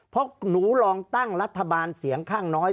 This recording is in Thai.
เพราะหนูลองตั้งรัฐบาลเสียงข้างน้อย